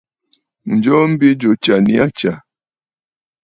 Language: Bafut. Ǹjoo mbi jù ɨ tsyà nii aa tsyà.